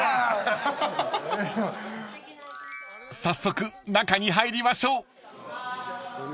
［早速中に入りましょう］